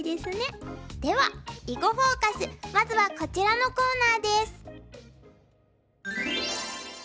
では「囲碁フォーカス」まずはこちらのコーナーです。